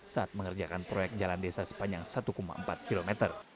saat mengerjakan proyek jalan desa sepanjang satu empat km